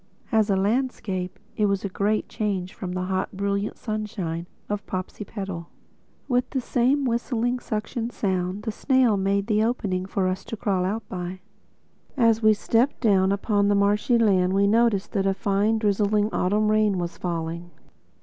As a landscape, it was a great change from the hot brilliant sunshine of Popsipetel. With the same whistling suction sound, the snail made the opening for us to crawl out by. As we stepped down upon the marshy land we noticed that a fine, drizzling autumn rain was falling.